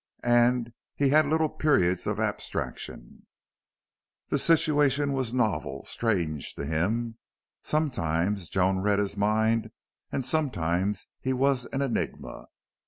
And he had little periods of abstraction. The situation was novel, strange to him. Sometimes Joan read his mind and sometimes he was an enigma.